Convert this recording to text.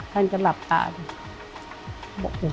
ท่านก็หลับตาดู